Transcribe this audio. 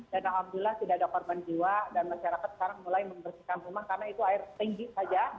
dan alhamdulillah tidak ada korban jiwa dan masyarakat sekarang mulai membersihkan rumah karena itu air tinggi saja